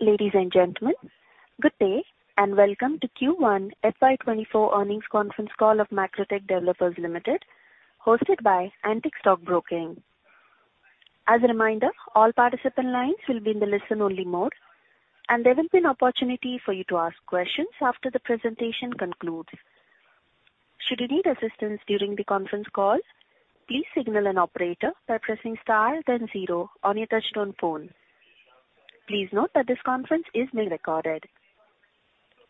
Ladies and gentlemen, good day, and welcome to Q1 FY24 earnings conference call of Macrotech Developers Limited, hosted by Antique Stock Broking. As a reminder, all participant lines will be in the listen-only mode, and there will be an opportunity for you to ask questions after the presentation concludes. Should you need assistance during the conference call, please signal an operator by pressing star then zero on your touch-tone phone. Please note that this conference is being recorded.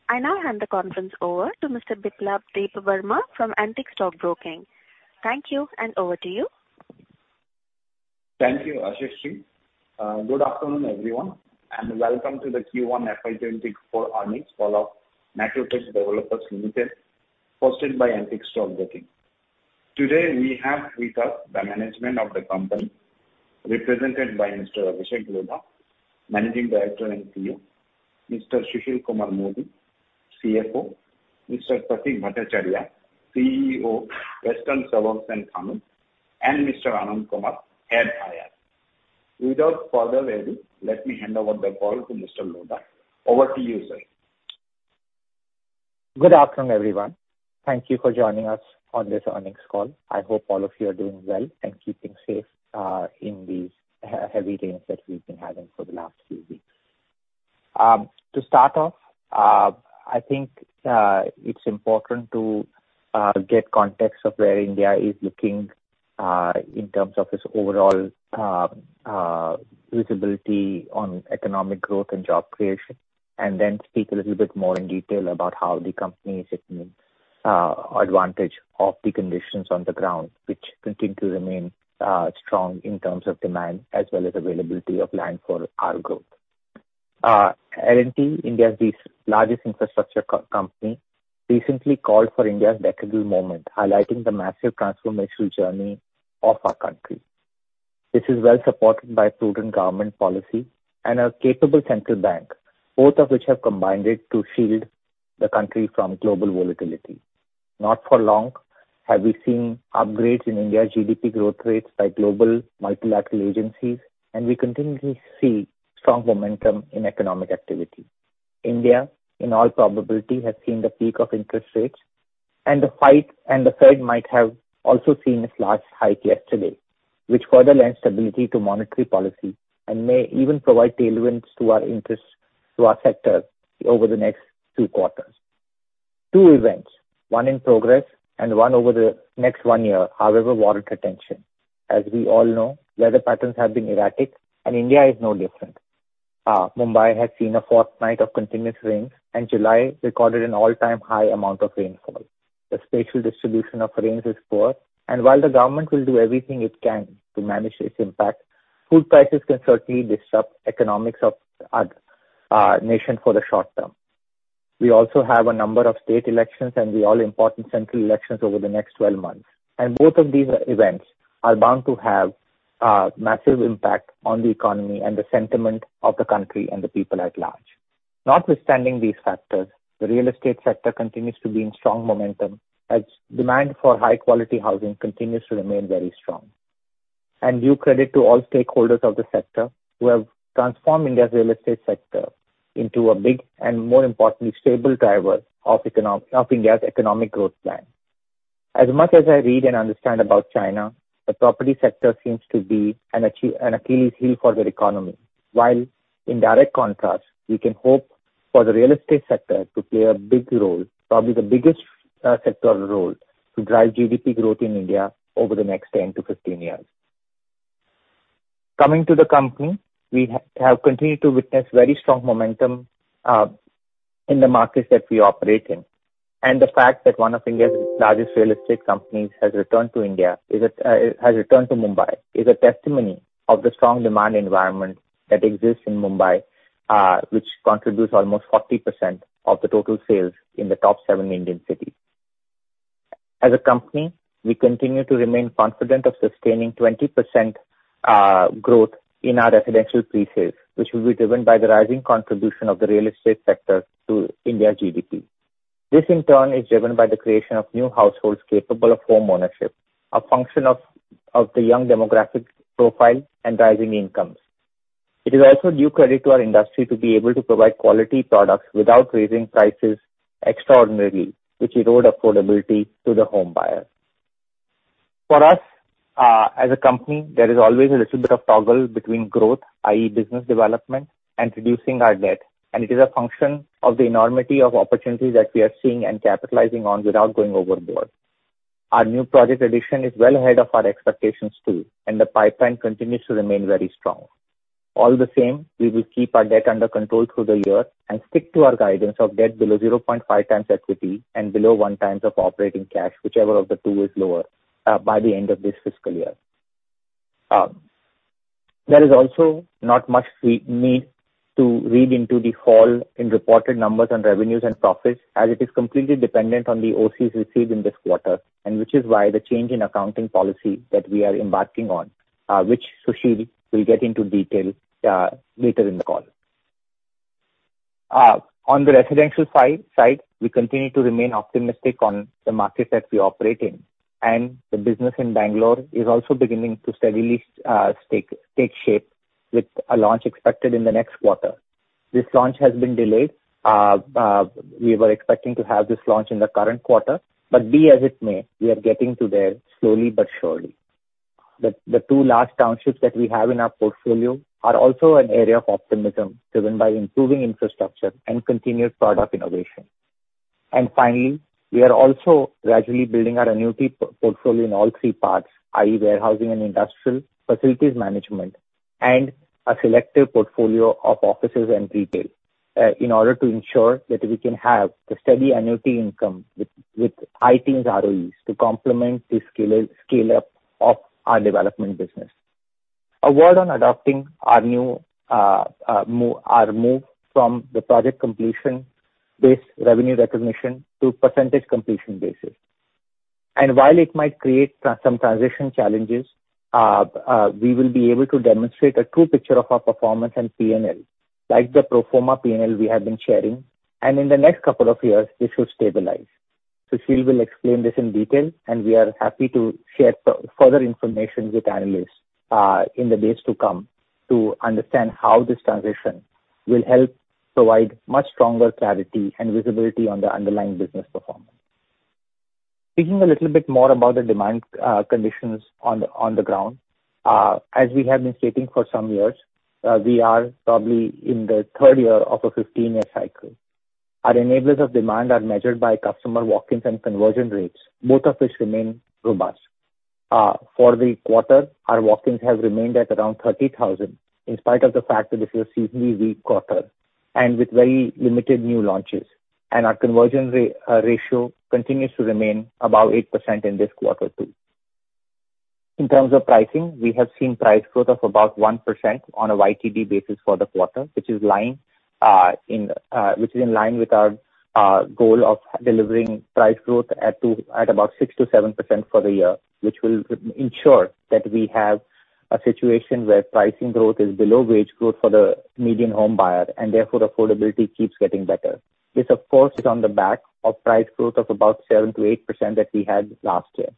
I now hand the conference over to Mr. Biplab Debbarma from Antique Stock Broking. Thank you, and over to you. Thank you, Yashasvi. Good afternoon, everyone. Welcome to the Q1 FY 2024 earnings follow-up Macrotech Developers Limited, hosted by Antique Stock Broking. Today, we have with us the management of the company, represented by Mr. Abhishek Lodha, Managing Director and CEO, Mr. Sushil Kumar Patwari, CFO, Mr. Prateek Bhattacharya, CEO, Western Suburbs and Thane, and Mr. Anant Kumar, Head IR. Without further ado, let me hand over the call to Mr. Lodha. Over to you, sir. Good afternoon, everyone. Thank you for joining us on this earnings call. I hope all of you are doing well and keeping safe in these heavy rains that we've been having for the last few weeks. To start off, I think, it's important to get context of where India is looking in terms of its overall visibility on economic growth and job creation, and then speak a little bit more in detail about how the company is taking advantage of the conditions on the ground, which continue to remain strong in terms of demand as well as availability of land for our growth. L&T, India's largest infrastructure company, recently called for India's decadal moment, highlighting the massive transformational journey of our country. This is well supported by prudent government policy and a capable central bank, both of which have combined it to shield the country from global volatility. Not for long have we seen upgrades in India's GDP growth rates by global multilateral agencies, and we continually see strong momentum in economic activity. India, in all probability, has seen the peak of interest rates, and the hike, and the Fed might have also seen its last hike yesterday, which further lends stability to monetary policy and may even provide tailwinds to our interest, to our sector over the next two quarters. Two events, one in progress and one over the next one year, however, warrant attention. As we all know, weather patterns have been erratic, and India is no different. Mumbai has seen a fourth night of continuous rains, and July recorded an all-time high amount of rainfall. The spatial distribution of rains is poor, and while the government will do everything it can to manage its impact, food prices can certainly disrupt economics of nation for the short term. We also have a number of state elections and the all-important central elections over the next 12 months, and both of these events are bound to have a massive impact on the economy and the sentiment of the country and the people at large. Notwithstanding these factors, the real estate sector continues to be in strong momentum as demand for high-quality housing continues to remain very strong. Due credit to all stakeholders of the sector, who have transformed India's real estate sector into a big and more importantly, stable driver of India's economic growth plan. As much as I read and understand about China, the property sector seems to be an Achilles heel for their economy. While in direct contrast, we can hope for the real estate sector to play a big role, probably the biggest, sectoral role, to drive GDP growth in India over the next 10-15 years. Coming to the company, we have continued to witness very strong momentum, in the markets that we operate in, and the fact that one of India's largest real estate companies has returned to India is a, has returned to Mumbai, is a testimony of the strong demand environment that exists in Mumbai, which contributes almost 40% of the total sales in the top seven Indian cities. As a company, we continue to remain confident of sustaining 20% growth in our residential pre-sales, which will be driven by the rising contribution of the real estate sector to India's GDP. This, in turn, is driven by the creation of new households capable of homeownership, a function of, of the young demographic profile and rising incomes. It is also due credit to our industry to be able to provide quality products without raising prices extraordinarily, which erode affordability to the home buyer. For us, as a company, there is always a little bit of toggle between growth, i.e., business development, and reducing our debt, and it is a function of the enormity of opportunities that we are seeing and capitalizing on without going overboard. Our new project addition is well ahead of our expectations, too, and the pipeline continues to remain very strong. All the same, we will keep our debt under control through the year and stick to our guidance of debt below 0.5 times equity and below 1 times of operating cash, whichever of the two is lower, by the end of this fiscal year. There is also not much we need to read into the fall in reported numbers on revenues and profits, as it is completely dependent on the OCs received in this quarter, and which is why the change in accounting policy that we are embarking on, which Sushil will get into detail later in the call. On the residential side, we continue to remain optimistic on the market that we operate in, and the business in Bangalore is also beginning to steadily take shape, with a launch expected in the next quarter. This launch has been delayed. We were expecting to have this launch in the current quarter, but be as it may, we are getting to there slowly but surely. The two large townships that we have in our portfolio are also an area of optimism, driven by improving infrastructure and continued product innovation. Finally, we are also gradually building our annuity portfolio in all three parts, i.e., warehousing and industrial, facilities management, and a selective portfolio of offices and retail in order to ensure that we can have the steady annuity income with, with high returns ROEs to complement the scale-up of our development business. A word on adopting our new move from the project completion-based revenue recognition to percentage completion basis. While it might create some transition challenges, we will be able to demonstrate a true picture of our performance and P&L, like the pro forma P&L we have been sharing, and in the next couple of years, this should stabilize. Sushil will explain this in detail. We are happy to share further information with analysts in the days to come, to understand how this transition will help provide much stronger clarity and visibility on the underlying business performance. Speaking a little bit more about the demand conditions on the ground. As we have been stating for some years, we are probably in the third year of a 15-year cycle. Our enablers of demand are measured by customer walk-ins and conversion rates, both of which remain robust. For the quarter, our walk-ins have remained at around 30,000, in spite of the fact that this is a seasonally weak quarter, with very limited new launches. Our conversion ratio continues to remain above 8% in this quarter, too. In terms of pricing, we have seen price growth of about 1% on a YTD basis for the quarter, which is line, in, which is in line with our goal of delivering price growth at about 6%-7% for the year, which will ensure that we have a situation where pricing growth is below wage growth for the median home buyer, and therefore, affordability keeps getting better. This, of course, is on the back of price growth of about 7%-8% that we had last year.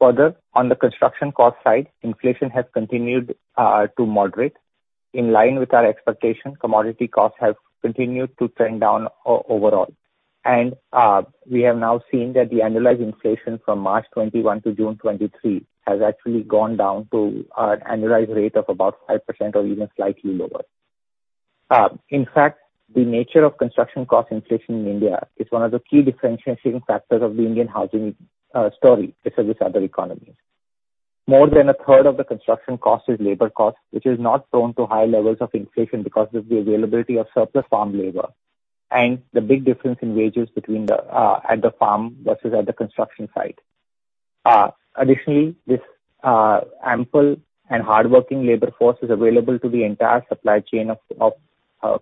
Further, on the construction cost side, inflation has continued to moderate. In line with our expectation, commodity costs have continued to trend down overall. We have now seen that the annualized inflation from March 2021 to June 2023, has actually gone down to an annualized rate of about 5% or even slightly lower. In fact, the nature of construction cost inflation in India is one of the key differentiating factors of the Indian housing story versus other economies. More than a third of the construction cost is labor cost, which is not prone to high levels of inflation because of the availability of surplus farm labor, and the big difference in wages between the at the farm versus at the construction site. Additionally, this ample and hardworking labor force is available to the entire supply chain of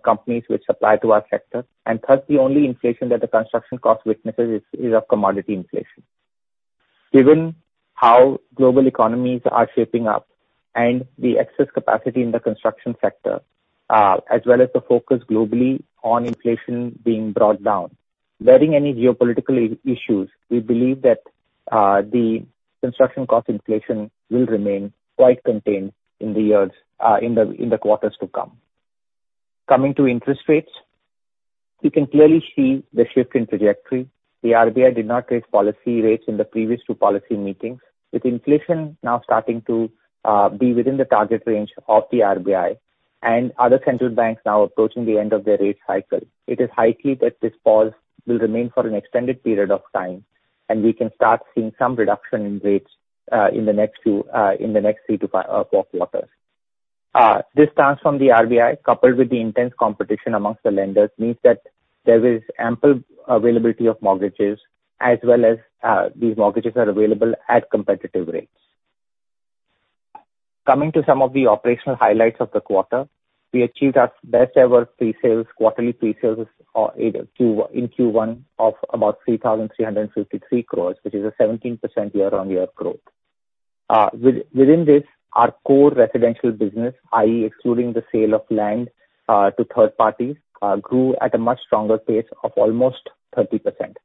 companies which supply to our sector. Thus, the only inflation that the construction cost witnesses is of commodity inflation. Given how global economies are shaping up and the excess capacity in the construction sector, as well as the focus globally on inflation being brought down, barring any geopolitical issues, we believe that the construction cost inflation will remain quite contained in the years, in the quarters to come. Coming to interest rates, you can clearly see the shift in trajectory. The RBI did not raise policy rates in the previous two policy meetings. With inflation now starting to be within the target range of the RBI and other central banks now approaching the end of their rate cycle, it is likely that this pause will remain for an extended period of time, and we can start seeing some reduction in rates in the next few, in the next 3 to 5 quarters. This stance from the RBI, coupled with the intense competition amongst the lenders, means that there is ample availability of mortgages, as well as, these mortgages are available at competitive rates. Coming to some of the operational highlights of the quarter, we achieved our best ever pre-sales, quarterly pre-sales, in Q1 of about 3,353 crore, which is a 17% year-on-year growth. within this, our core residential business, i.e., excluding the sale of land to third parties, grew at a much stronger pace of almost 30%.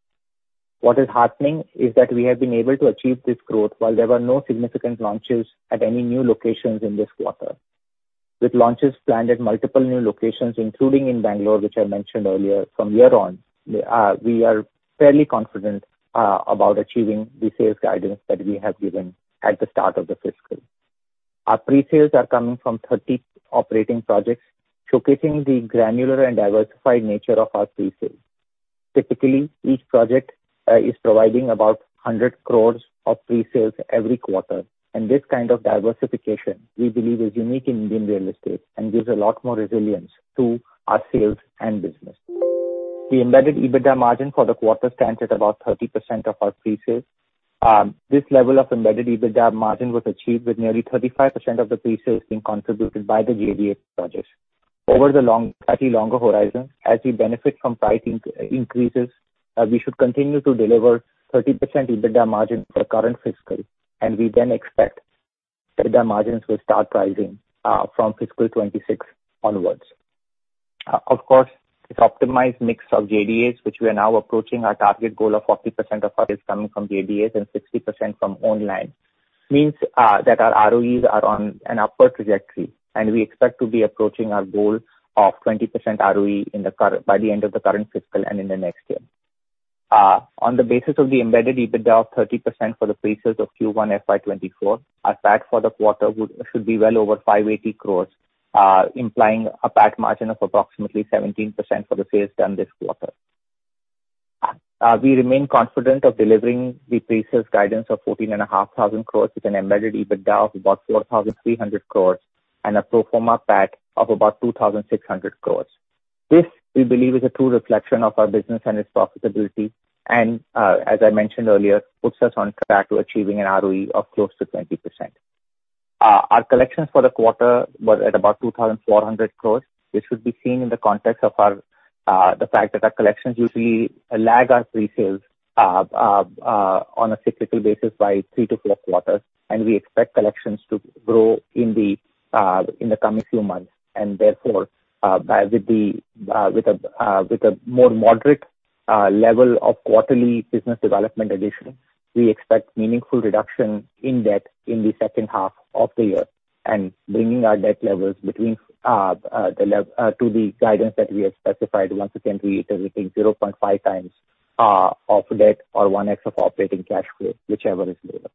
What is happening is that we have been able to achieve this growth while there were no significant launches at any new locations in this quarter. With launches planned at multiple new locations, including in Bangalore, which I mentioned earlier, from year on, we are fairly confident about achieving the sales guidance that we have given at the start of the fiscal. Our pre-sales are coming from 30 operating projects, showcasing the granular and diversified nature of our pre-sales. Typically, each project is providing about 100 crore of pre-sales every quarter, and this kind of diversification, we believe is unique in Indian real estate and gives a lot more resilience to our sales and business. The embedded EBITDA margin for the quarter stands at about 30% of our pre-sales. This level of embedded EBITDA margin was achieved with nearly 35% of the pre-sales being contributed by the JDA projects. Over the long, slightly longer horizon, as we benefit from price increases, we should continue to deliver 30% EBITDA margin for current fiscal. We then expect EBITDA margins will start rising from fiscal 2026 onwards. Of course, it's optimized mix of JDAs, which we are now approaching our target goal of 40% of our is coming from JDAs and 60% from online, that our ROEs are on an upward trajectory, and we expect to be approaching our goal of 20% ROE by the end of the current fiscal and in the next year. On the basis of the embedded EBITDA of 30% for the pre-sales of Q1 FY24, our PAT for the quarter would- should be well over 580 crore, implying a PAT margin of approximately 17% for the sales done this quarter. We remain confident of delivering the pre-sales guidance of 14,500 crore, with an embedded EBITDA of about 4,300 crore and a pro forma PAT of about 2,600 crore. This, we believe, is a true reflection of our business and its profitability, and, as I mentioned earlier, puts us on track to achieving an ROE of close to 20%. Our collections for the quarter were at about 2,400 crore. This should be seen in the context of our, the fact that our collections usually lag our pre-sales on a cyclical basis by 3-4 quarters, and we expect collections to grow in the coming few months. Therefore, by with the with a with a more moderate level of quarterly business development addition, we expect meaningful reduction in debt in the second half of the year, and bringing our debt levels between to the guidance that we have specified once again, we, we think 0.5 times of debt or 1x of operating cash flow, whichever is lower.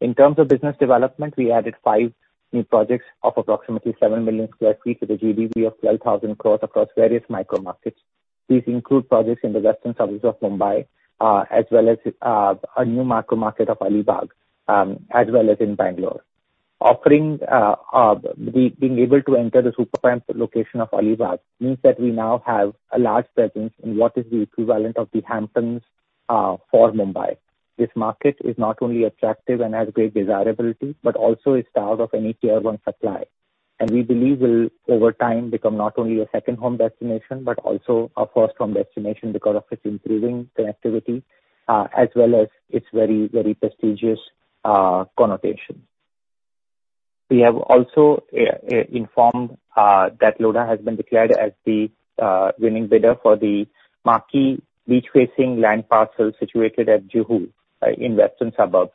In terms of business development, we added 5 new projects of approximately 7 million sq ft, with a GDV of 12,000 crore across various micro markets. These include projects in the western suburbs of Mumbai, as well as a new micro market of Alibag, as well as in Bangalore. Offering, we being able to enter the super prime location of Alibag, means that we now have a large presence in what is the equivalent of the Hamptons, for Mumbai. This market is not only attractive and has great desirability, but also is out of any Tier One supply. We believe will, over time, become not only a second home destination, but also a first home destination because of its improving connectivity, as well as its very, very prestigious connotations. We have also informed that Lodha has been declared as the winning bidder for the marquee beach-facing land parcel situated at Juhu in western suburbs,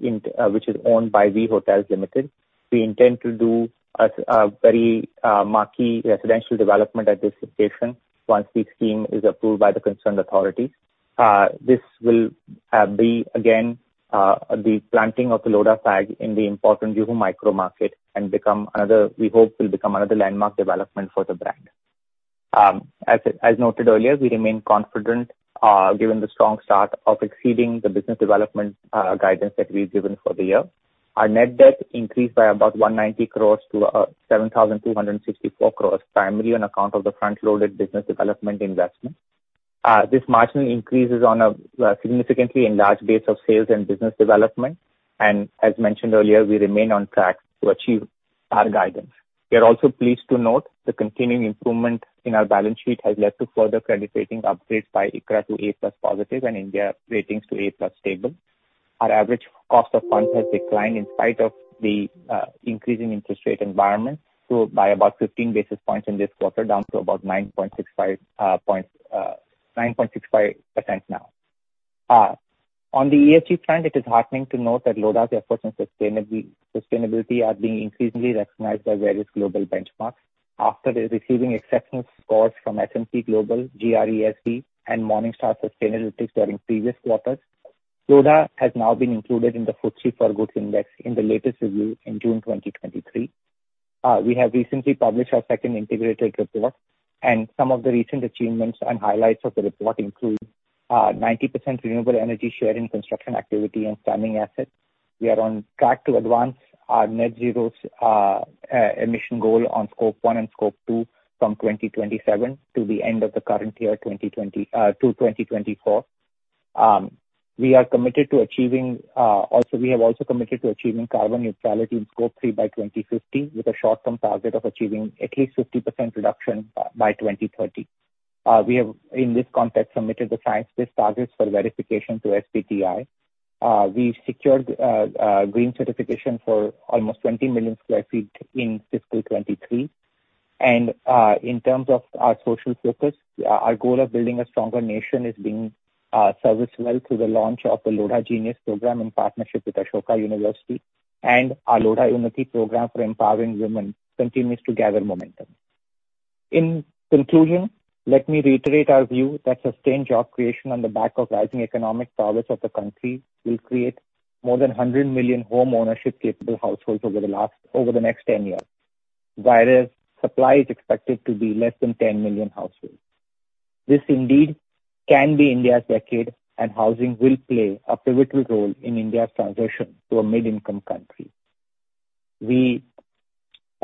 in which is owned by V Hotels Limited. We intend to do a very marquee residential development at this location once the scheme is approved by the concerned authority. This will be again the planting of the Lodha flag in the important Juhu micro market and become another -- we hope will become another landmark development for the brand. As, as noted earlier, we remain confident given the strong start of exceeding the business development guidance that we've given for the year. Our net debt increased by about 190 crore to 7,264 crore, primarily on account of the front-loaded business development investments. This margin increases on a significantly enlarged base of sales and business development, and as mentioned earlier, we remain on track to achieve our guidance. We are also pleased to note the continuing improvement in our balance sheet has led to further credit rating upgrades by ICRA to A+ positive and India Ratings to A+ stable. Our average cost of funds has declined in spite of the increasing interest rate environment, so by about 15 basis points in this quarter, down to about 9.65% now. On the ESG front, it is heartening to note that Lodha's efforts in sustainability are being increasingly recognized by various global benchmarks. After receiving exceptional scores from S&P Global, GRESB, and Morningstar Sustainalytics during previous quarters, Lodha has now been included in the FTSE4Good Index in the latest review in June 2023. We have recently published our second integrated report, and some of the recent achievements and highlights of the report include 90% renewable energy share in construction activity and standing assets. We are on track to advance our net zero emission goal on Scope 1 and Scope 2 from 2027 to the end of the current year, 2020, to 2024. We are committed to achieving, we have also committed to achieving carbon neutrality in Scope 3 by 2050, with a short-term target of achieving at least 50% reduction by 2030. We have, in this context, submitted the science-based targets for verification to SBTi. We secured green certification for almost 20 million square feet in fiscal 2023. In terms of our social focus, our goal of building a stronger nation is being serviced well through the launch of the Lodha Genius Program in partnership with Ashoka University, and our Lodha Umati program for empowering women continues to gather momentum. In conclusion, let me reiterate our view that sustained job creation on the back of rising economic progress of the country will create more than 100 million home ownership capable households over the next 10 years, whereas supply is expected to be less than 10 million households. This indeed can be India's decade, and housing will play a pivotal role in India's transition to a mid-income country. We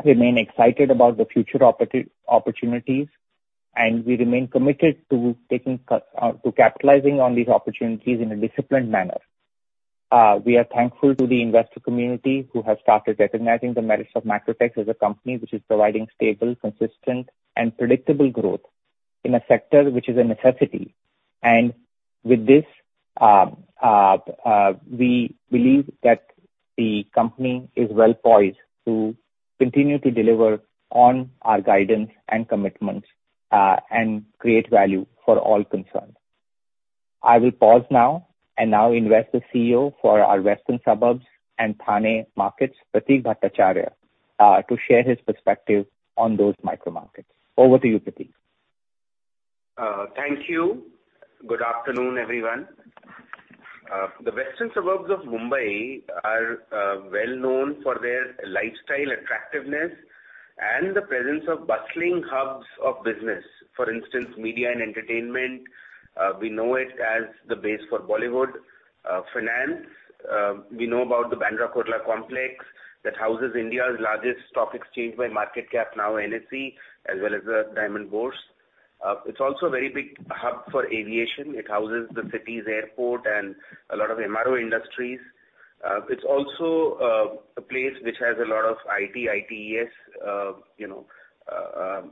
remain excited about the future opportunities, and we remain committed to taking to capitalizing on these opportunities in a disciplined manner. We are thankful to the investor community who have started recognizing the merits of Macrotech as a company which is providing stable, consistent, and predictable growth in a sector which is a necessity. With this, we believe that the company is well-poised to continue to deliver on our guidance and commitments and create value for all concerned. I will pause now. Now investor CEO for our Western Suburbs and Thane markets, Prateek Bhattacharya, to share his perspective on those micro markets. Over to you, Prateek. Thank you. Good afternoon, everyone. The western suburbs of Mumbai are well known for their lifestyle attractiveness and the presence of bustling hubs of business. For instance, media and entertainment, we know it as the base for Bollywood. Finance, we know about the Bandra Kurla complex that houses India's largest stock exchange by market cap, now NSE, as well as the Diamond Bourse. It's also a very big hub for aviation. It houses the city's airport and a lot of MRO industries. It's also a place which has a lot of IT, ITES, you know,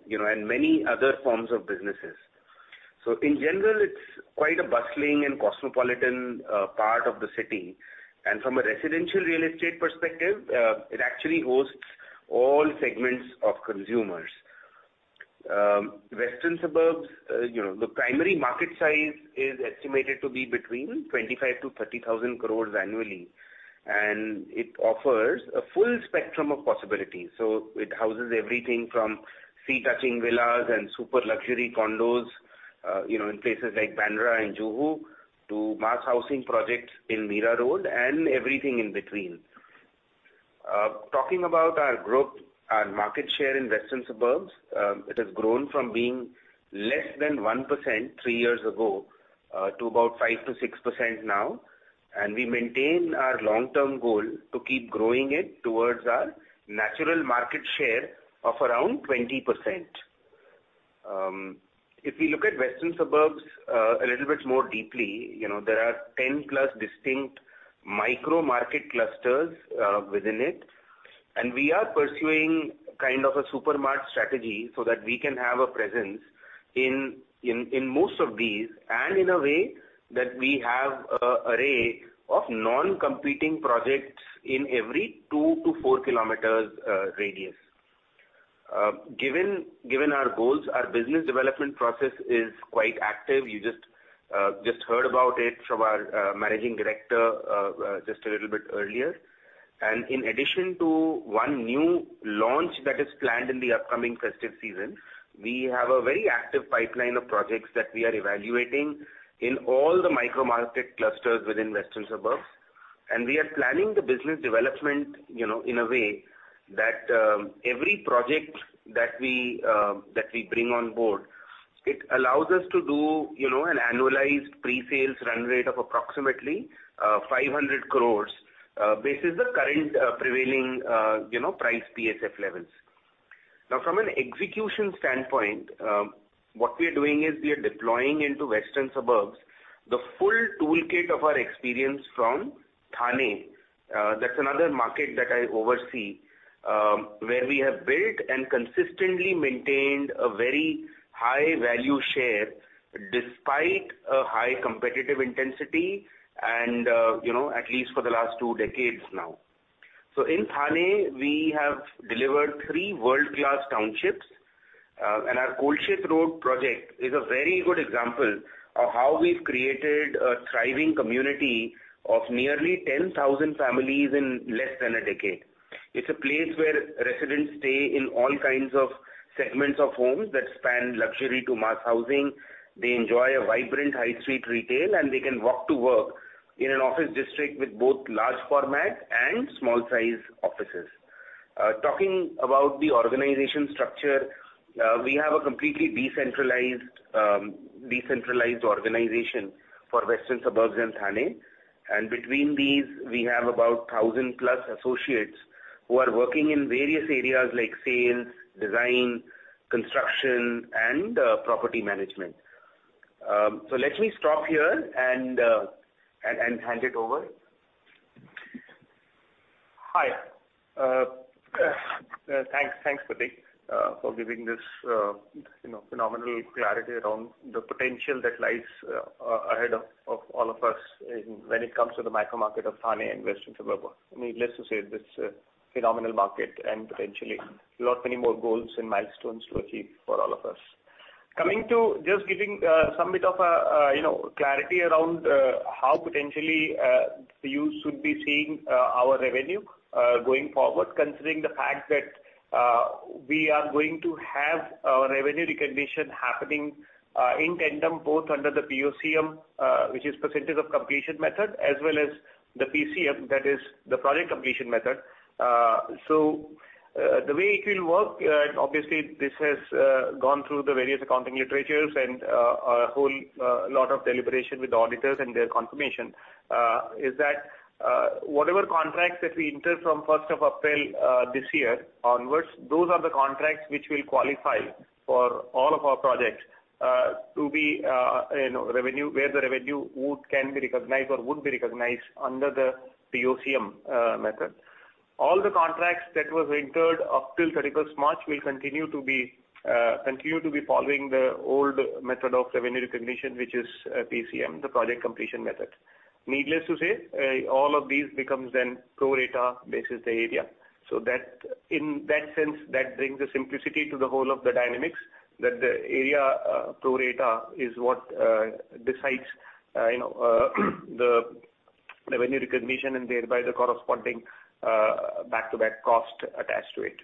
you know, and many other forms of businesses. In general, it's quite a bustling and cosmopolitan part of the city. From a residential real estate perspective, it actually hosts all segments of consumers. Western suburbs, you know, the primary market size is estimated to be between 25,000 crore-30,000 crore annually. It offers a full spectrum of possibilities. It houses everything from sea-touching villas and super luxury condos, you know, in places like Bandra and Juhu, to mass housing projects in Mira Road and everything in between. Talking about our growth, our market share in western suburbs, it has grown from being less than 1% 3 years ago, to about 5%-6% now. We maintain our long-term goal to keep growing it towards our natural market share of around 20%. If we look at western suburbs, a little bit more deeply, you know, there are 10 plus distinct micro market clusters within it, and we are pursuing kind of a supermart strategy so that we can have a presence in, in, in most of these, and in a way that we have a array of non-competing projects in every two to four kilometers radius. Given, given our goals, our business development process is quite active. You just heard about it from our managing director just a little bit earlier. In addition to one new launch that is planned in the upcoming festive season, we have a very active pipeline of projects that we are evaluating in all the micro market clusters within western suburbs. We are planning the business development, you know, in a way that every project that we that we bring on board, it allows us to do, you know, an annualized pre-sales run rate of approximately 500 crore basis the current prevailing, you know, price PSF levels. From an execution standpoint, what we are doing is we are deploying into western suburbs, the full toolkit of our experience from Thane. That's another market that I oversee, where we have built and consistently maintained a very high value share despite a high competitive intensity and, you know, at least for the last 2 decades now. In Thane, we have delivered three world-class townships, and our Kolshet Road project is a very good example of how we've created a thriving community of nearly 10,000 families in less than a decade. It's a place where residents stay in all kinds of segments of homes that span luxury to mass housing. They enjoy a vibrant high street retail, and they can walk to work in an office district with both large format and small size offices. Talking about the organization structure, we have a completely decentralized, decentralized organization for western suburbs and Thane. Between these, we have about 1,000-plus associates who are working in various areas like sales, design, construction, and property management. Let me stop here and hand it over. Hi, thanks, thanks, Prateek, for giving this, you know, phenomenal clarity around the potential that lies ahead of, of all of us in when it comes to the micro market of Thane and western suburbs. I mean, less to say, this phenomenal market and potentially a lot many more goals and milestones to achieve for all of us. Coming to just giving some bit of, you know, clarity around how potentially you should be seeing our revenue going forward, considering the fact that we are going to have our revenue recognition happening in tandem, both under the POCM, which is percentage of completion method, as well as the PCM, that is the project completion method. The way it will work, obviously, this has gone through the various accounting literatures and a whole lot of deliberation with auditors and their confirmation, is that.... Whatever contracts that we entered from 1st of April this year onwards, those are the contracts which will qualify for all of our projects to be, you know, revenue, where the revenue would, can be recognized or would be recognized under the POCM method. All the contracts that was entered up till 31st March will continue to be, continue to be following the old method of revenue recognition, which is PCM, the Project Completion Method. Needless to say, all of these becomes then pro rata basis the area. That, in that sense, that brings a simplicity to the whole of the dynamics, that the area pro rata is what decides, you know, the revenue recognition and thereby the corresponding back-to-back cost attached to it.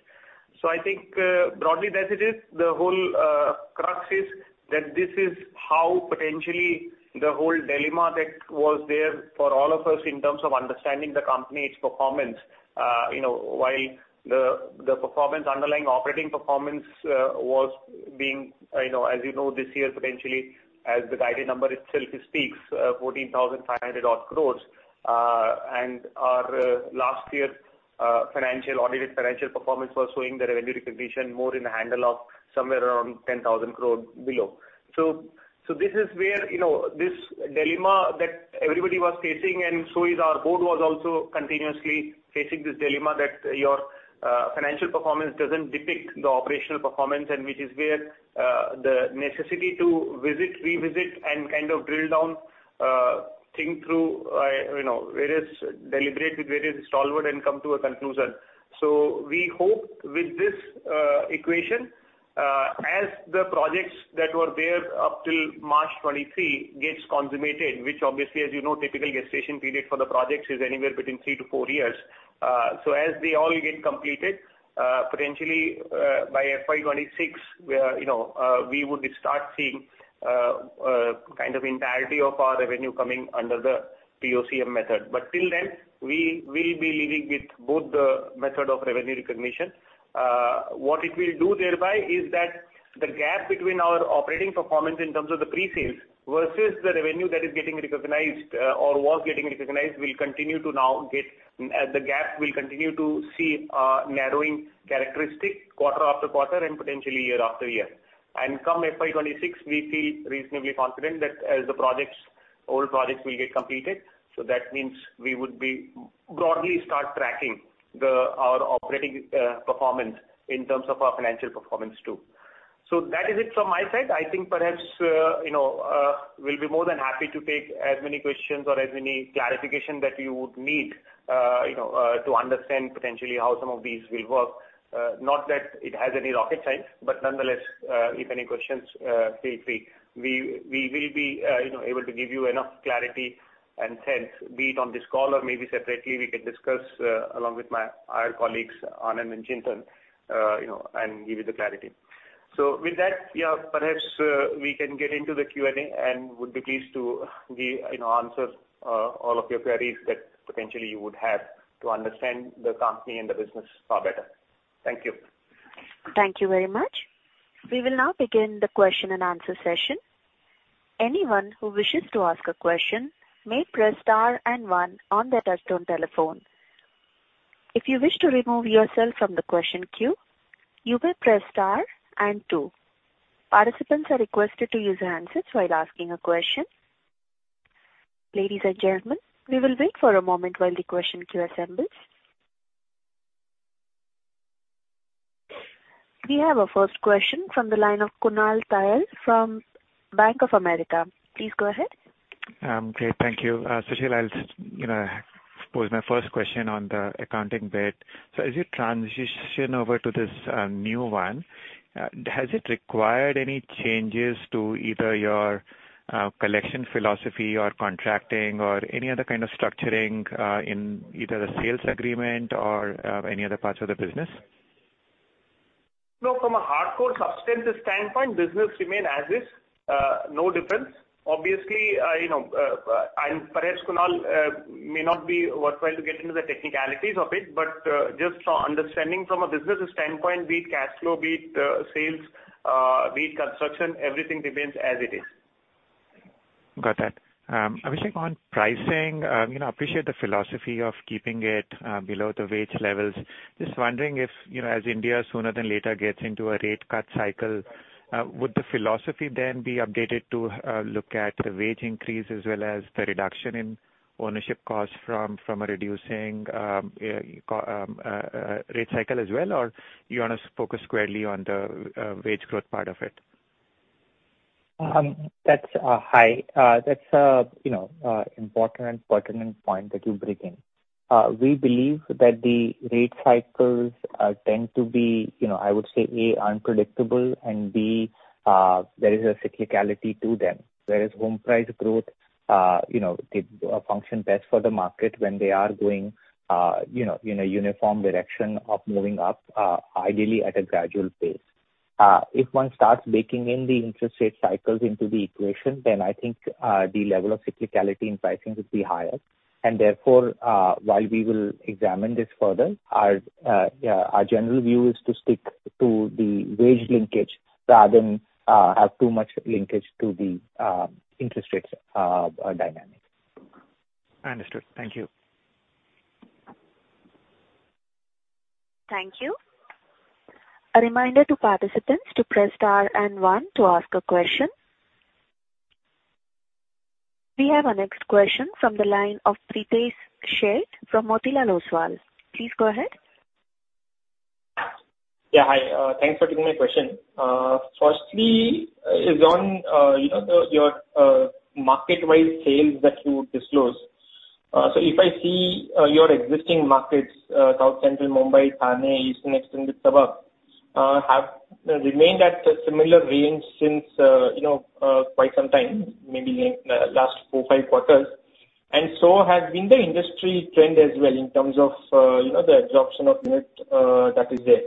I think, broadly as it is, the whole crux is that this is how potentially the whole dilemma that was there for all of us in terms of understanding the company's performance. You know, while the performance, underlying operating performance, was being, you know, as you know, this year, potentially, as the guided number itself speaks, 14,500 odd crores, and our last year, financial- audited financial performance was showing the revenue recognition more in the handle of somewhere around 10,000 crore below. This is where, you know, this dilemma that everybody was facing, and so is our board, was also continuously facing this dilemma that your financial performance doesn't depict the operational performance. Which is where the necessity to visit, revisit, and kind of drill down, think through, you know, various, deliberate with various stalwart and come to a conclusion. We hope with this equation, as the projects that were there up till March 2023 gets consummated, which obviously, as you know, typical gestation period for the projects is anywhere between 3 to 4 years. As they all get completed, potentially, by FY 2026, where, you know, we would start seeing, kind of entirety of our revenue coming under the POCM method. Till then, we will be living with both the method of revenue recognition. What it will do thereby is that the gap between our operating performance in terms of the pre-sales versus the revenue that is getting recognized, or was getting recognized, will continue to now get, the gap will continue to see, narrowing characteristics quarter after quarter and potentially year after year. Come FY 2026, we feel reasonably confident that as the projects, old projects will get completed, so that means we would be broadly start tracking the, our operating, performance in terms of our financial performance, too. That is it from my side. I think perhaps, you know, we'll be more than happy to take as many questions or as many clarification that you would need, you know, to understand potentially how some of these will work. Not that it has any rocket science, but nonetheless, if any questions, feel free. We, we will be, you know, able to give you enough clarity and sense, be it on this call or maybe separately, we can discuss, along with my, our colleagues, Anand and Chintan, you know, and give you the clarity. With that, yeah, perhaps, we can get into the Q&A, and would be pleased to be, you know, answer, all of your queries that potentially you would have to understand the company and the business far better. Thank you. Thank you very much. We will now begin the question and answer session. Anyone who wishes to ask a question may press star 1 on their touch-tone phone. If you wish to remove yourself from the question queue, you may press star 2. Participants are requested to use handsets while asking a question. Ladies and gentlemen, we will wait for a moment while the question queue assembles. We have a first question from the line of Kunal Tayal from Bank of America. Please go ahead. Okay, thank you. Sushil, I'll, you know, pose my first question on the accounting bit. As you transition over to this new one, has it required any changes to either your collection philosophy or contracting or any other kind of structuring in either the sales agreement or any other parts of the business? No, from a hardcore substantive standpoint, business remain as is, no difference. Obviously, you know, and perhaps, Kunal, may not be worthwhile to get into the technicalities of it, but, just for understanding from a businesses standpoint, be it cashflow, be it, sales, be it construction, everything remains as it is. Got that. Abhishek, on pricing, you know, appreciate the philosophy of keeping it below the wage levels. Just wondering if, you know, as India sooner than later gets into a rate cut cycle, would the philosophy then be updated to look at the wage increase as well as the reduction in ownership costs from, from a reducing rate cycle as well, or you wanna focus squarely on the wage growth part of it? Hi, that's a, you know, important and pertinent point that you bring in. We believe that the rate cycles tend to be, you know, I would say, A, unpredictable, and B, there is a cyclicality to them. Whereas home price growth, you know, they function best for the market when they are going, you know, in a uniform direction of moving up, ideally at a gradual pace. If one starts baking in the interest rate cycles into the equation, then I think, the level of cyclicality in pricing would be higher. Therefore, while we will examine this further, our, yeah, our general view is to stick to the wage linkage rather than have too much linkage to the interest rates dynamic. Understood. Thank you.... Thank you. A reminder to participants to press star and one to ask a question. We have our next question from the line of Pritesh Sheth from Motilal Oswal. Please go ahead. Yeah, hi. Thanks for taking my question. Firstly, is on, you know, the, your, market-wide sales that you disclose. If I see, your existing markets, South Central Mumbai, Thane, Eastern Extended Suburbs, have remained at a similar range since, you know, quite some time, maybe in, last four, five quarters, and so has been the industry trend as well in terms of, you know, the absorption of unit, that is there.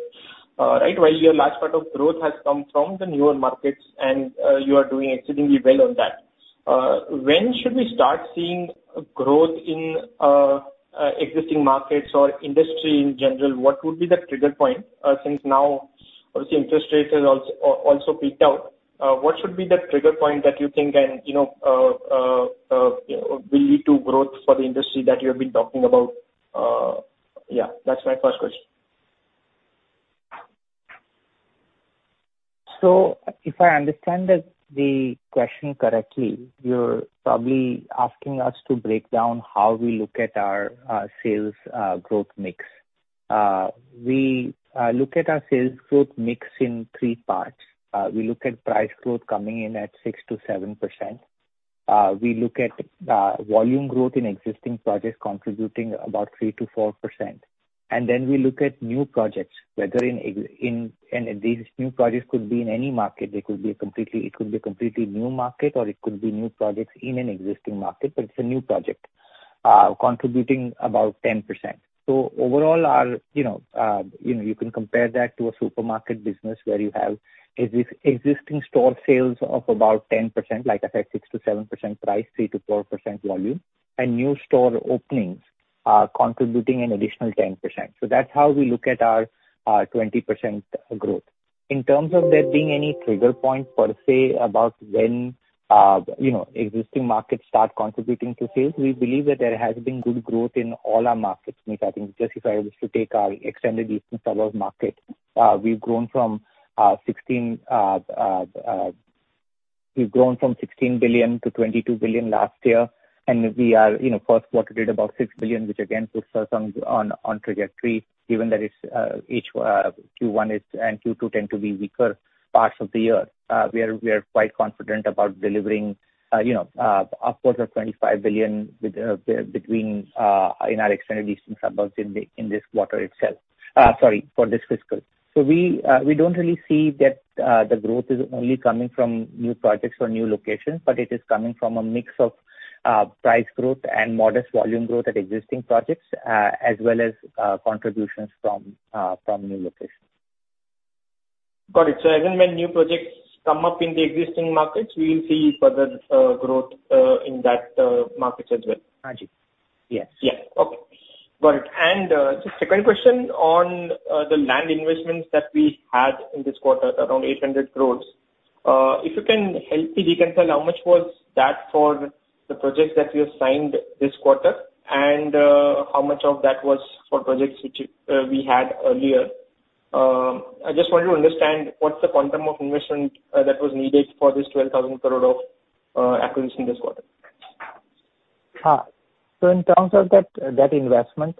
While your large part of growth has come from the newer markets and, you are doing exceedingly well on that. When should we start seeing growth in, existing markets or industry in general? What would be the trigger point, since now, obviously, interest rates has also, also peaked out? What should be the trigger point that you think can, you know, will lead to growth for the industry that you have been talking about? Yeah, that's my first question. If I understand the question correctly, you're probably asking us to break down how we look at our sales growth mix. We look at our sales growth mix in three parts. We look at price growth coming in at 6%-7%. We look at volume growth in existing projects contributing about 3%-4%. We look at new projects, whether in... These new projects could be in any market. They could be a completely new market, or it could be new projects in an existing market, but it's a new project, contributing about 10%. Overall, our, you know, you know, you can compare that to a supermarket business, where you have existing store sales of about 10%, like I said, 6%-7% price, 3%-4% volume, and new store openings, contributing an additional 10%. That's how we look at our 20% growth. In terms of there being any trigger point per se about when, you know, existing markets start contributing to sales, we believe that there has been good growth in all our markets. Nick, I think just if I was to take our extended Eastern suburbs market, we've grown from 16 billion to 22 billion last year. We are, you know, first quarter did about 6 billion, which again puts us on trajectory, given that it's each Q1 and Q2 tend to be weaker parts of the year. We are quite confident about delivering, you know, upwards of 25 billion between in our extended Eastern suburbs in this quarter itself. Sorry, for this fiscal. We, we don't really see that, the growth is only coming from new projects or new locations, but it is coming from a mix of, price growth and modest volume growth at existing projects, as well as, contributions from, from new locations. Got it. even when new projects come up in the existing markets, we will see further growth in that markets as well? Got you. Yes. Yeah. Okay. Got it. The second question on the land investments that we had in this quarter, around 800 crore. If you can help me reconcile, how much was that for the projects that you have signed this quarter, and how much of that was for projects which we had earlier? I just wanted to understand what's the quantum of investment that was needed for this 12,000 crore of acquisition this quarter? In terms of that, that investment,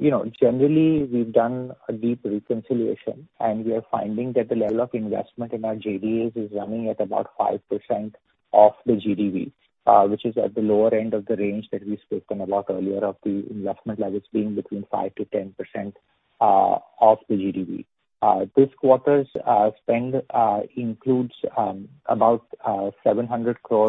you know, generally, we've done a deep reconciliation, and we are finding that the level of investment in our JDAs is running at about 5% of the GDV, which is at the lower end of the range that we spoke on a lot earlier of the investment levels being between 5%-10% of the GDV. This quarter's spend includes about 700 crore,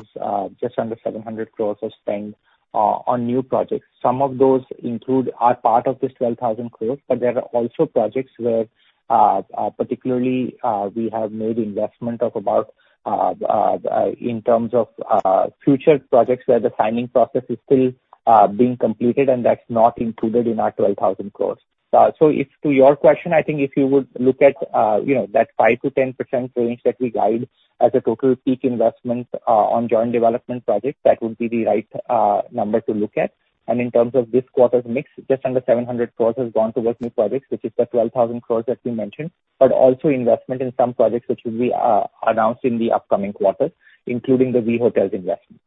just under 700 crore of spend on new projects. Some of those include, are part of this 12,000 crore, but there are also projects where, particularly, we have made investment of about in terms of future projects, where the signing process is still being completed, and that's not included in our 12,000 crore. If to your question, I think if you would look at, you know, that 5%-10% range that we guide as a total peak investment on joint development projects, that would be the right number to look at. In terms of this quarter's mix, just under 700 crore has gone towards new projects, which is the 12,000 crore that we mentioned, but also investment in some projects which will be announced in the upcoming quarter, including the We Hotels investment.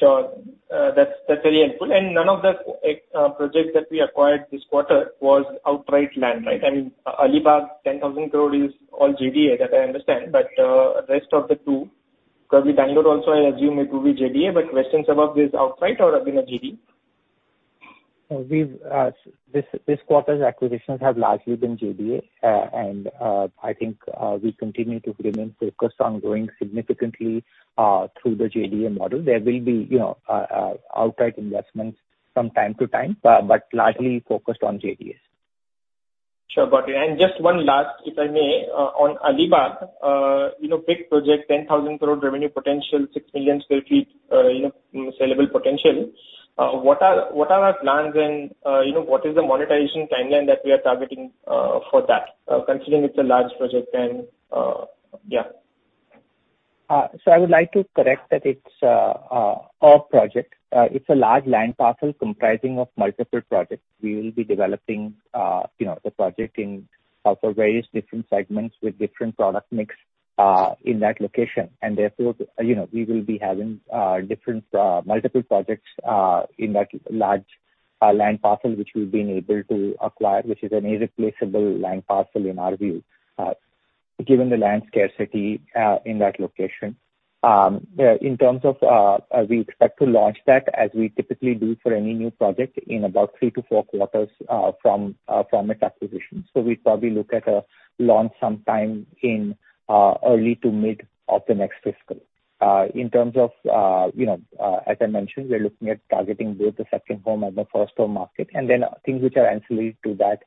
Sure. That's, that's very helpful. None of the projects that we acquired this quarter was outright land, right? I mean, Alibag, 10,000 crore is all JDA, that I understand. Rest of the 2, because the Bangalore also, I assume it will be JDA, but Western Suburbs is outright or have been a JDA? We've, this quarter's acquisitions have largely been JDA. I think, we continue to remain focused on growing significantly through the JDA model. There will be, you know, outright investments from time to time, but largely focused on JDAs. Sure, got it. Just one last, if I may, on Alibag. You know, big project, 10,000 crore revenue potential, 6 million sq ft, you know, sellable potential. What are our plans and, you know, what is the monetization timeline that we are targeting, for that, considering it's a large project and, yeah? So I would like to correct that it's our project. It's a large land parcel comprising of multiple projects. We will be developing, you know, the project in for various different segments with different product mix in that location. Therefore, you know, we will be having different multiple projects in that large land parcel which we've been able to acquire, which is an irreplaceable land parcel, in our view, given the land scarcity in that location. In terms of, we expect to launch that as we typically do for any new project in about 3-4 quarters from from its acquisition. We probably look at a launch sometime in early to mid of the next fiscal. In terms of, you know, as I mentioned, we are looking at targeting both the second home and the first home market, and then things which are ancillary to that,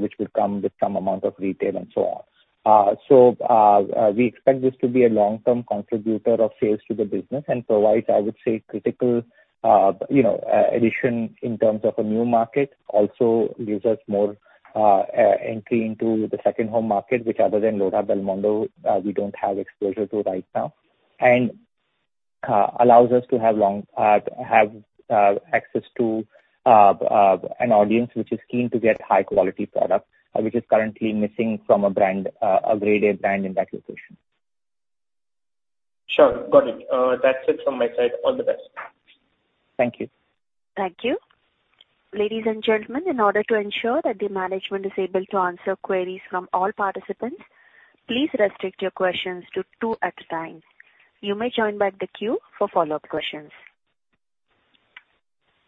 which will come with some amount of retail and so on. We expect this to be a long-term contributor of sales to the business and provides, I would say, critical, you know, addition in terms of a new market. Also gives us more entry into the second home market, which other than Lodha Belmondo, we don't have exposure to right now, and allows us to have long, have access to an audience which is keen to get high-quality product, which is currently missing from a brand, a graded brand in that location. Sure. Got it. That's it from my side. All the best. Thank you. Thank you. Ladies and gentlemen, in order to ensure that the management is able to answer queries from all participants, please restrict your questions to two at a time. You may join back the queue for follow-up questions.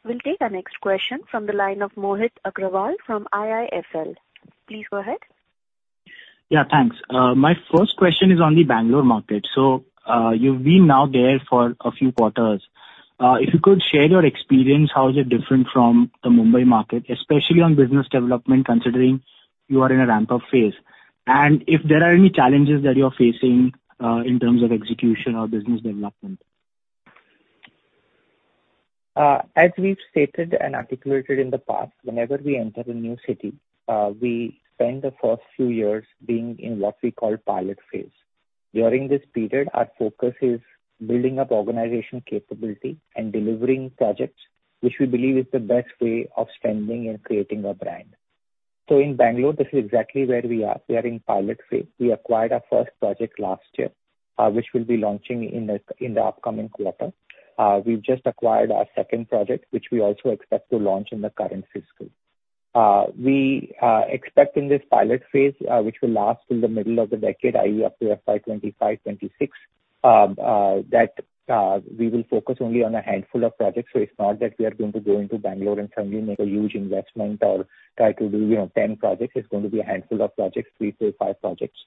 We'll take our next question from the line of Mohit Agrawal from IIFL. Please go ahead. Yeah, thanks. My first question is on the Bangalore market. You've been now there for a few quarters. If you could share your experience, how is it different from the Mumbai market, especially on business development, considering you are in a ramp-up phase? If there are any challenges that you're facing, in terms of execution or business development. As we've stated and articulated in the past, whenever we enter a new city, we spend the first few years being in what we call pilot phase. During this period, our focus is building up organization capability and delivering projects, which we believe is the best way of standing and creating a brand. In Bangalore, this is exactly where we are. We are in pilot phase. We acquired our first project last year, which we'll be launching in the, in the upcoming quarter. We've just acquired our second project, which we also expect to launch in the current fiscal. We expect in this pilot phase, which will last till the middle of the decade, i.e., up to FY 2025-2026, that we will focus only on a handful of projects. It's not that we are going to go into Bangalore and suddenly make a huge investment or try to do, you know, 10 projects. It's going to be a handful of projects, 3-5 projects.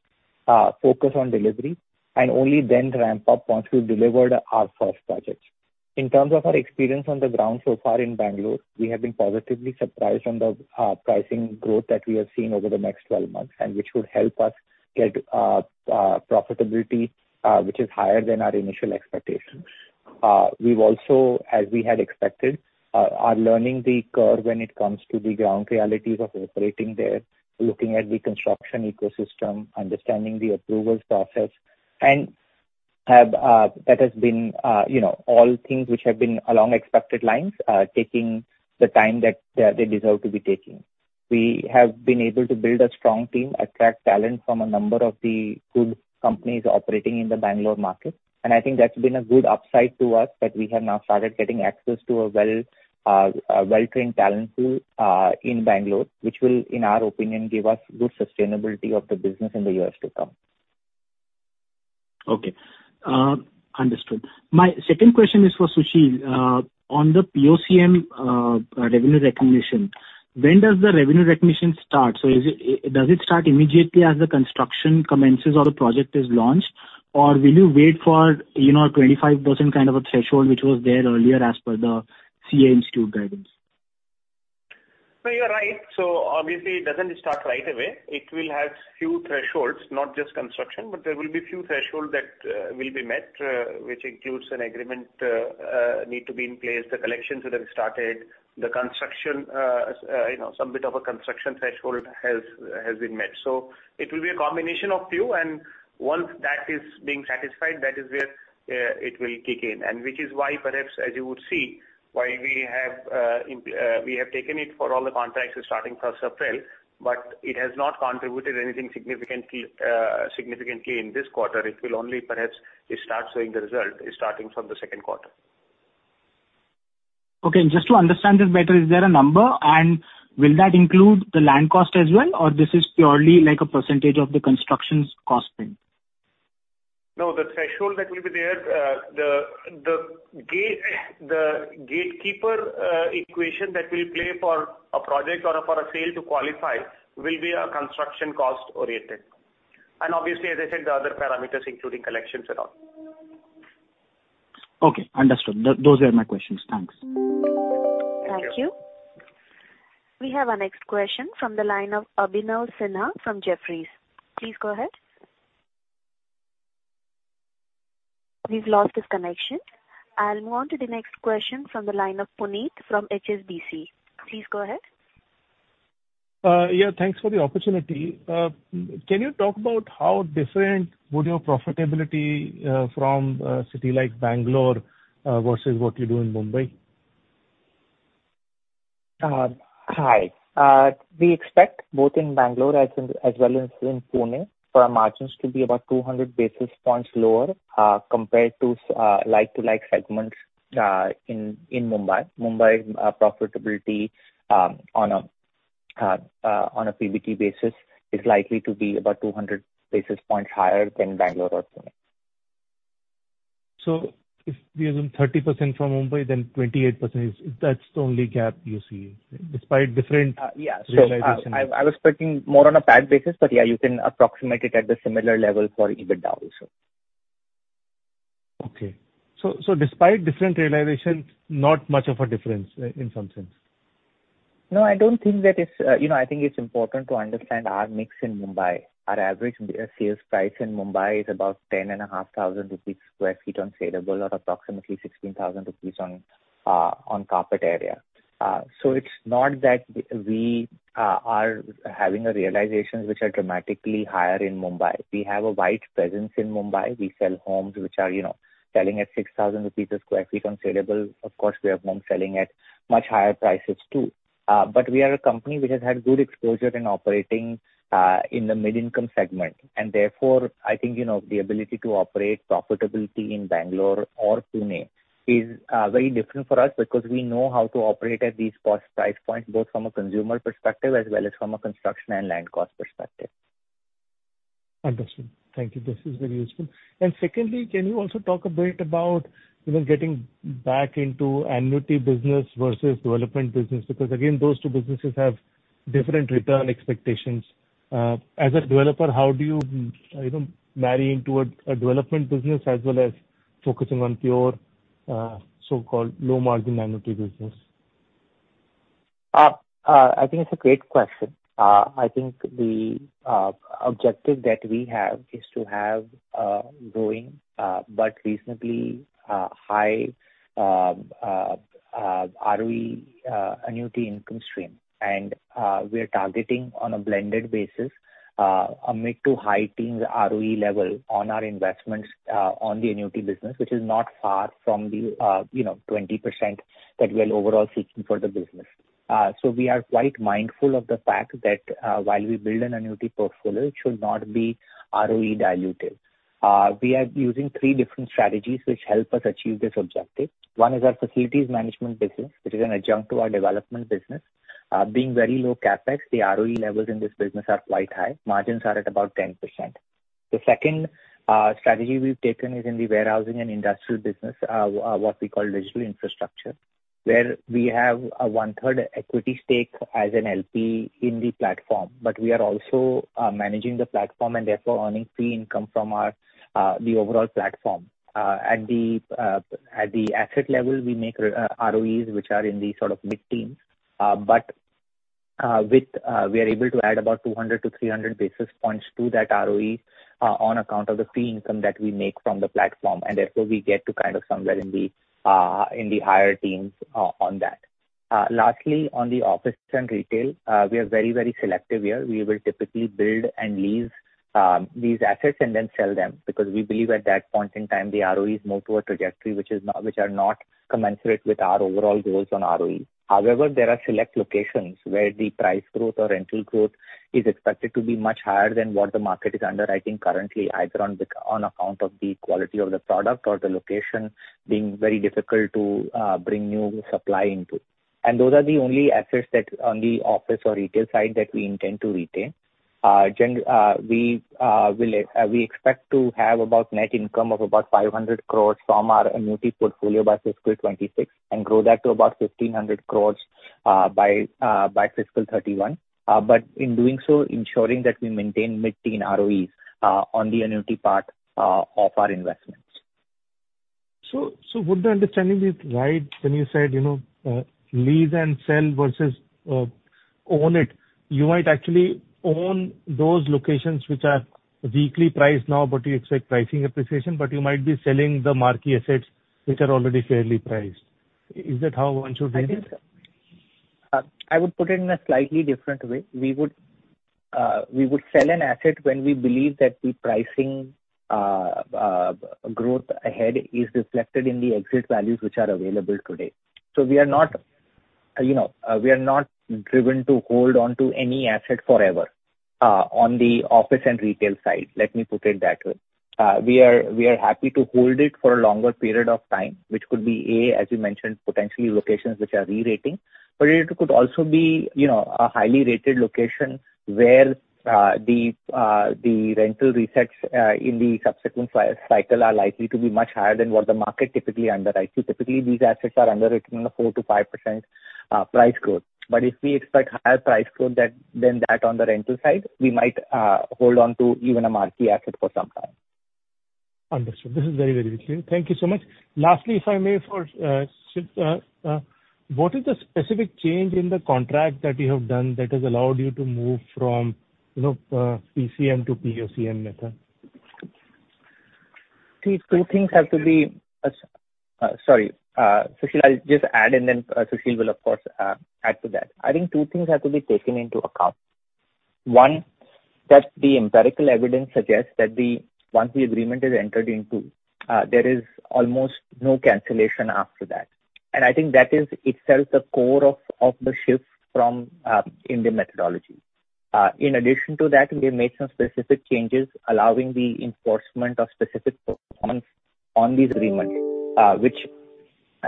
Focus on delivery, and only then ramp up once we've delivered our first project. In terms of our experience on the ground so far in Bangalore, we have been positively surprised on the pricing growth that we have seen over the next 12 months, and which would help us get profitability, which is higher than our initial expectations. We've also, as we had expected, are learning the curve when it comes to the ground realities of operating there, looking at the construction ecosystem, understanding the approvals process, and have. That has been, you know, all things which have been along expected lines, taking the time that, they deserve to be taking. We have been able to build a strong team, attract talent from a number of the good companies operating in the Bangalore market. I think that's been a good upside to us, that we have now started getting access to a well, a well-trained talent pool, in Bangalore, which will, in our opinion, give us good sustainability of the business in the years to come. Okay. Understood. My second question is for Sushil. On the POCM revenue recognition, when does the revenue recognition start? Is it, does it start immediately as the construction commences or the project is launched, or will you wait for, you know, a 25% kind of a threshold, which was there earlier as per the CA Institute guidance? No, you are right. Obviously, it doesn't start right away. It will have few thresholds, not just construction, but there will be few thresholds that will be met, which includes an agreement need to be in place, the collections would have started, the construction, you know, some bit of a construction threshold has been met. It will be a combination of few, and once that is being satisfied, that is where it will kick in. Which is why, perhaps, as you would see, why we have, we have taken it for all the contracts starting first April, but it has not contributed anything significantly in this quarter. It will only perhaps start showing the result starting from the second quarter. Okay, just to understand this better, is there a number? Will that include the land cost as well, or this is purely like a percentage of the constructions costing? No, the threshold that will be there, the gatekeeper equation that will play for a project or for a sale to qualify, will be a construction cost-oriented. Obviously, as I said, the other parameters, including collections and all. Okay, understood. Those were my questions. Thanks. Thank you. We have our next question from the line of Abhinav Sinha from Jefferies. Please go ahead. We've lost his connection. I'll move on to the next question from the line of Puneet Gulati from HSBC. Please go ahead. Yeah, thanks for the opportunity. Can you talk about how different would your profitability from a city like Bangalore versus what you do in Mumbai? Hi. We expect both in Bangalore as in, as well as in Pune, for our margins to be about 200 basis points lower, compared to like-to-like segments, in Mumbai. Mumbai, profitability, on a PBT basis, is likely to be about 200 basis points higher than Bangalore or Pune. if we are doing 30% from Mumbai, then 28%, that's the only gap you see, despite different- Yeah. realization. I, I was expecting more on a PAT basis, but yeah, you can approximate it at a similar level for EBITDA also. Okay. So despite different realization, not much of a difference, in some sense? No, I don't think that it's. You know, I think it's important to understand our mix in Mumbai. Our average sales price in Mumbai is about 10,500 sq ft on saleable, or approximately 16,000 rupees on carpet area. It's not that we are having realizations which are dramatically higher in Mumbai. We have a wide presence in Mumbai. We sell homes which are, you know, selling at 6,000 rupees a sq ft on saleable. Of course, we have homes selling at much higher prices, too. We are a company which has had good exposure in operating, in the mid-income segment, and therefore, I think, you know, the ability to operate profitability in Bangalore or Pune is very different for us because we know how to operate at these cost price points, both from a consumer perspective as well as from a construction and land cost perspective. Understood. Thank you. This is very useful. Secondly, can you also talk a bit about, you know, getting back into annuity business versus development business? Because again, those two businesses have different return expectations. As a developer, how do you, you know, marry into a, a development business as well as focusing on pure, so-called low-margin annuity business? I think it's a great question. I think the objective that we have is to have growing but reasonably high ROE annuity income stream. We are targeting on a blended basis a mid to high teens ROE level on our investments on the annuity business, which is not far from the, you know, 20% that we are overall seeking for the business. We are quite mindful of the fact that while we build an annuity portfolio, it should not be ROE dilutive. We are using three different strategies which help us achieve this objective. One is our facilities management business, which is an adjunct to our development business. Being very low CapEx, the ROE levels in this business are quite high. Margins are at about 10%. The second strategy we've taken is in the warehousing and industrial business, what we call digital infrastructure, where we have a one-third equity stake as an LP in the platform, but we are also managing the platform, and therefore, earning fee income from our the overall platform. At the asset level, we make ROEs, which are in the sort of mid-teens, but with... We are able to add about 200 to 300 basis points to that ROE, on account of the fee income that we make from the platform, and therefore, we get to kind of somewhere in the higher teens on that. Lastly, on the office and retail, we are very, very selective here. We will typically build and lease, these assets and then sell them, because we believe at that point in time, the ROEs move to a trajectory which is not, which are not commensurate with our overall goals on ROE. However, there are select locations where the price growth or rental growth is expected to be much higher than what the market is underwriting currently, either on account of the quality of the product or the location being very difficult to bring new supply into. Those are the only assets that on the office or retail side that we intend to retain. we will we expect to have about net income of about 500 crore from our annuity portfolio by fiscal 2026, and grow that to about 1,500 crore by fiscal 2031. In doing so, ensuring that we maintain mid-teen ROEs, on the annuity part, of our investments. Would the understanding be right when you said, you know, lease and sell versus, own it? You might actually own those locations which are weakly priced now, but you expect pricing appreciation, but you might be selling the marquee assets which are already fairly priced. Is that how one should read it? I think, I would put it in a slightly different way. We would, we would sell an asset when we believe that the pricing, growth ahead is reflected in the exit values which are available today. We are not, you know, we are not driven to hold onto any asset forever, on the office and retail side, let me put it that way. We are, we are happy to hold it for a longer period of time, which could be, A, as you mentioned, potentially locations which are re-rating. It could also be, you know, a highly rated location where, the, the rental resets, in the subsequent cycle are likely to be much higher than what the market typically underwrites. Typically, these assets are underwritten on a 4%-5% price growth. If we expect higher price growth that, than that on the rental side, we might hold on to even a marquee asset for some time. Understood. This is very, very clear. Thank you so much. Lastly, if I may for, what is the specific change in the contract that you have done that has allowed you to move from, you know, PCM to POCM method?... Two things have to be, sorry, Sushil, I'll just add, and then Sushil will, of course, add to that. I think two things have to be taken into account. One, that the empirical evidence suggests that the, once the agreement is entered into, there is almost no cancellation after that. I think that is itself the core of the shift from India methodology. In addition to that, we have made some specific changes allowing the enforcement of specific performance on these agreements, which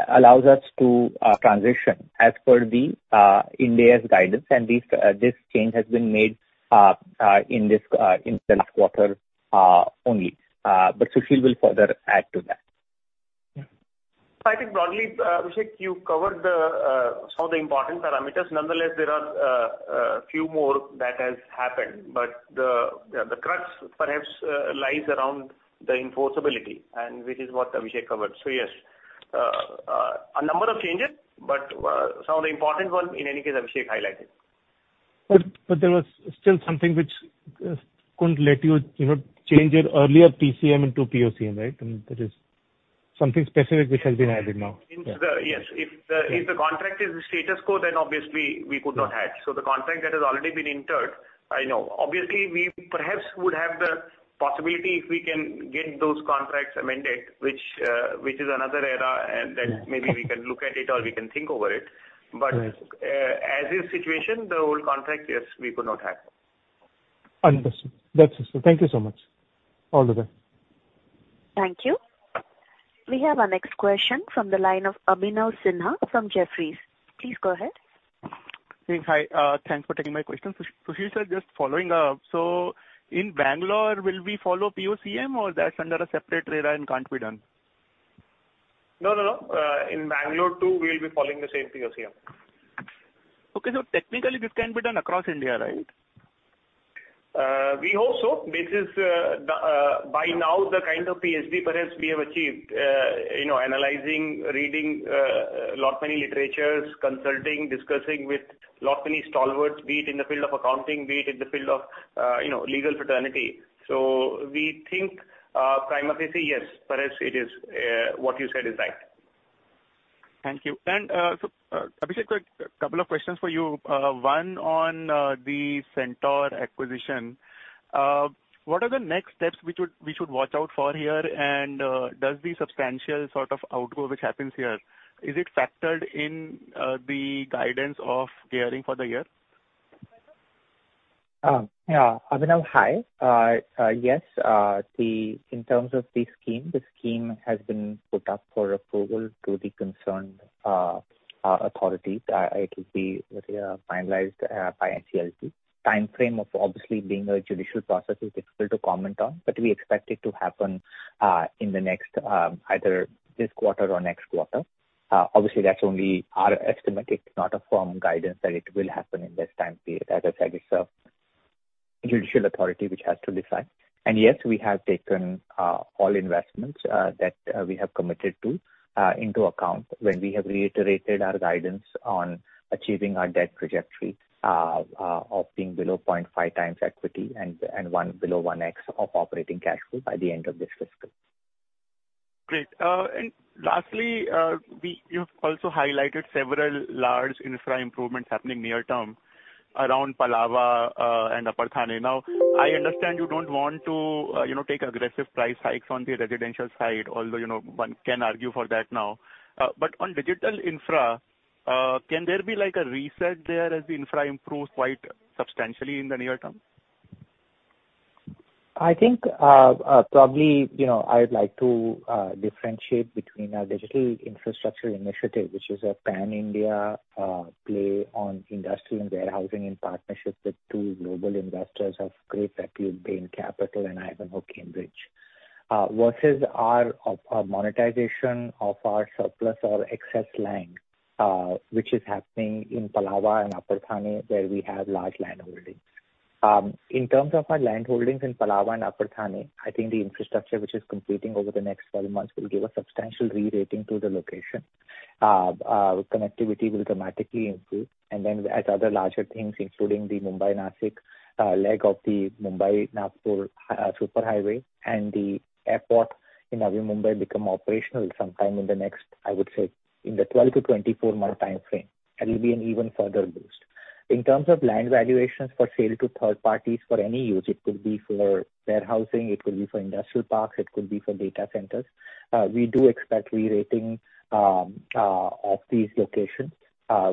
allows us to transition as per the India's guidance. These, this change has been made in the last quarter, only. Sushil will further add to that. I think broadly, Abhishek, you covered the, some of the important parameters. Nonetheless, there are, few more that has happened, but the, the crux perhaps, lies around the enforceability, and which is what Abhishek covered. Yes, a number of changes, but, some of the important one, in any case, Abhishek highlighted. But there was still something which couldn't let you, you know, change your earlier PCM into POCM, right? That is something specific which has been added now. Yes, if the contract is the status quo, then obviously we could not have. The contract that has already been entered, I know. Obviously, we perhaps would have the possibility if we can get those contracts amended, which is another era. Maybe we can look at it or we can think over it. Right. As is situation, the old contract, yes, we could not have. Understood. That's it. Thank you so much. All the best. Thank you. We have our next question from the line of Abhinav Sinha from Jefferies. Please go ahead. Thanks. Hi, thanks for taking my question. Sush, Sushil, sir, just following up. In Bangalore, will we follow POCM, or that's under a separate radar and can't be done? No, no, no. In Bangalore too, we'll be following the same POCM. Okay. technically, this can be done across India, right? We hope so. This is the by now, the kind of PhD perhaps we have achieved, you know, analyzing, reading, lot many literatures, consulting, discussing with lot many stalwarts, be it in the field of accounting, be it in the field of, you know, legal fraternity. We think, prima facie, yes, perhaps it is what you said is right. Thank you. Abhishek, quick 2 questions for you. One on the Centaur acquisition. What are the next steps we should, we should watch out for here? Does the substantial sort of outgo which happens here, is it factored in the guidance of gearing for the year? Uh, yeah. Abhinav, hi. Uh, uh, yes, uh, the, in terms of the scheme, the scheme has been put up for approval to the concerned, uh, uh, authorities. Uh, it will be, uh, finalized, uh, by NCLT. Timeframe of obviously being a judicial process is difficult to comment on, but we expect it to happen, uh, in the next, um, either this quarter or next quarter. Uh, obviously, that's only our estimate. It's not a firm guidance that it will happen in this time period. As I said, it's a judicial authority which has to decide. And yes, we have taken, uh, all investments, uh, that, uh, we have committed to, uh, into account when we have reiterated our guidance on achieving our debt trajectory, uh, uh, of being below point five times equity and, and one, below one X of operating cash flow by the end of this fiscal. Great. Lastly, we-- you've also highlighted several large infra improvements happening near term around Palava and Upper Thane. Now, I understand you don't want to, you know, take aggressive price hikes on the residential side, although, you know, one can argue for that now. On digital infra, can there be like a reset there as the infra improves quite substantially in the near term? I think, probably, you know, I'd like to differentiate between our digital infrastructure initiative, which is a pan-India play on industrial and warehousing in partnership with two global investors of great repute, Bain Capital and Ivanhoe Cambridge, versus our monetization of our surplus or excess land, which is happening in Palava and Upper Thane, where we have large landholdings. In terms of our landholdings in Palava and Upper Thane, I think the infrastructure which is completing over the next 12 months will give a substantial re-rating to the location. Connectivity will dramatically improve. Then as other larger things, including the Mumbai-Nasik leg of the Mumbai-Nagpur super highway and the airport in Navi Mumbai, become operational sometime in the next, I would say, in the 12-24 month timeframe. That will be an even further boost. In terms of land valuations for sale to third parties for any use, it could be for warehousing, it could be for industrial parks, it could be for data centers, we do expect re-rating of these locations.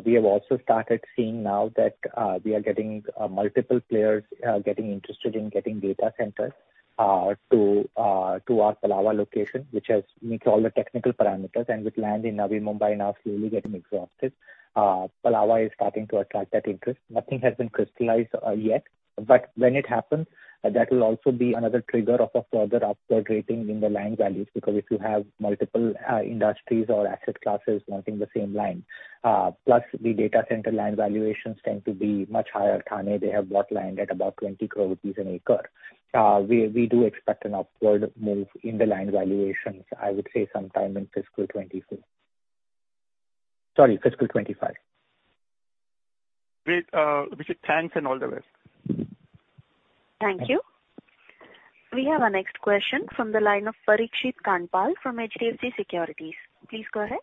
We have also started seeing now that we are getting multiple players getting interested in getting data centers to our Palava location, which has meet all the technical parameters. With land in Navi Mumbai now slowly getting exhausted, Palava is starting to attract that interest. Nothing has been crystallized yet, but when it happens, that will also be another trigger of a further upward rating in the land values, because if you have multiple industries or asset classes wanting the same land, plus the data center land valuations tend to be much higher. Thane, they have bought land at about 20 crore rupees an acre. We, we do expect an upward move in the land valuations, I would say sometime in fiscal 2024. Sorry, fiscal 2025. Great, Abhishek, thanks and all the best! Thank you. We have our next question from the line of Parikshit D Kandpal from HDFC Securities. Please go ahead.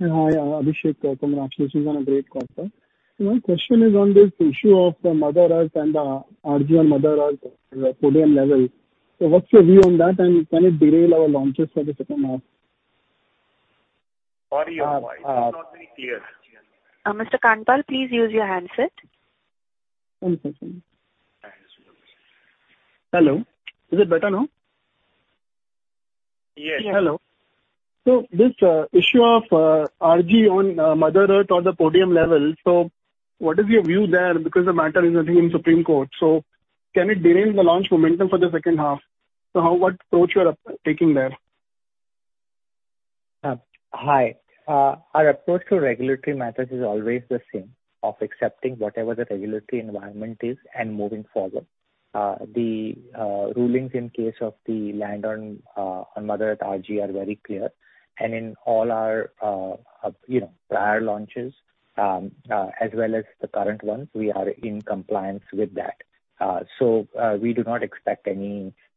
Hi, Abhishek, congratulations on a great quarter. My question is on this issue of the Mother Earth and the RG on Mother Earth podium level. What's your view on that, and can it derail our launches for the second half? Sorry, your voice is not very clear. Mr. Kandpal, please use your handset. One second. Hello, is it better now? Yes. Hello. This issue of RG on Mother Earth or the podium level, so what is your view there? Because the matter is living in Supreme Court, so can it derail the launch momentum for the second half? How, what approach you are taking there? Hi. Our approach to regulatory matters is always the same, of accepting whatever the regulatory environment is and moving forward. The rulings in case of the land on Mother Earth RG are very clear. In all our, you know, prior launches, as well as the current ones, we are in compliance with that. We do not expect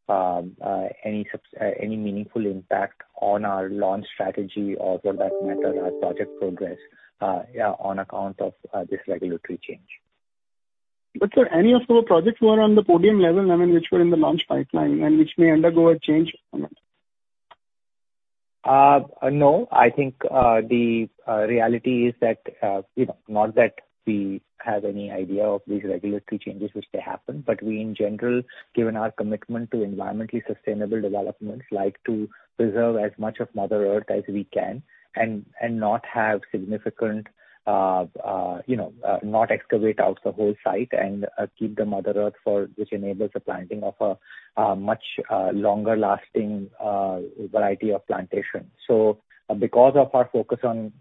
any meaningful impact on our launch strategy or for that matter, our project progress, yeah, on account of this regulatory change. Sir, any of your projects were on the podium level, I mean, which were in the launch pipeline and which may undergo a change or not? No. I think, the reality is that, you know, not that we have any idea of these regulatory changes which they happen, but we in general, given our commitment to environmentally sustainable developments, like to preserve as much of Mother Earth as we can, and, and not have significant, you know, not excavate out the whole site and, keep the Mother Earth for-- which enables the planting of a much longer-lasting variety of plantation. Because of our focus on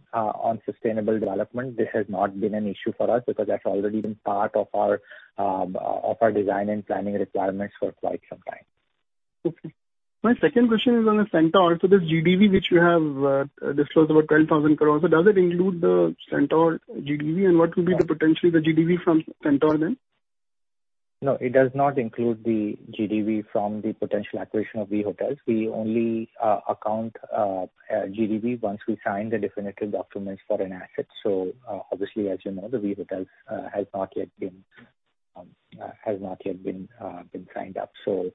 sustainable development, this has not been an issue for us, because that's already been part of our design and planning requirements for quite some time. Okay. My second question is on the Centaur. This GDV, which you have disclosed, about 10,000 crore, does it include the Centaur GDV? What would be the potentially the GDV from Centaur then? No, it does not include the GDV from the potential acquisition of We Hotels. We only account GDV once we sign the definitive documents for an asset. Obviously, as you know, the We Hotels has not yet been, has not yet been, been signed up, so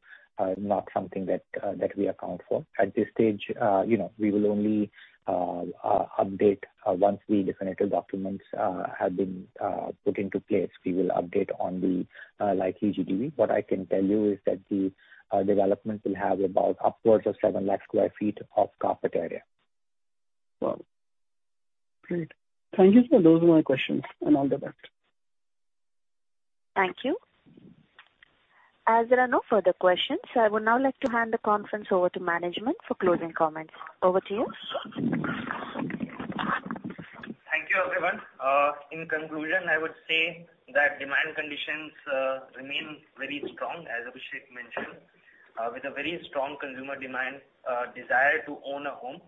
not something that we account for. At this stage, you know, we will only update once the definitive documents have been put into place. We will update on the likely GDV. What I can tell you is that the developments will have about upwards of 7 lakh sq ft of carpet area. Wow! Great. Thank you, sir. Those are my questions. All the best. Thank you. As there are no further questions, I would now like to hand the conference over to management for closing comments. Over to you. Thank you, everyone. In conclusion, I would say that demand conditions remain very strong, as Abhishek mentioned, with a very strong consumer demand, desire to own a home.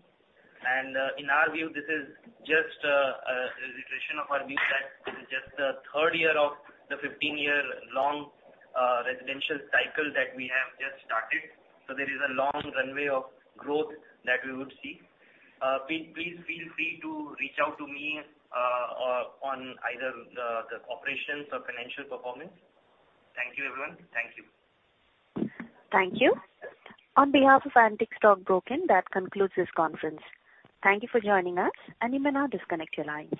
In our view, this is just a reiteration of our view that this is just the third year of the 15-year long residential cycle that we have just started. There is a long runway of growth that we would see. Please, please feel free to reach out to me on either the operations or financial performance. Thank you, everyone. Thank you. Thank you. On behalf of Antique Stock Broking, that concludes this conference. Thank you for joining us. You may now disconnect your lines.